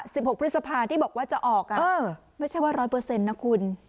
หกพฤษภาที่บอกว่าจะออกอ่ะเออไม่ใช่ว่าร้อยเปอร์เซ็นต์นะคุณ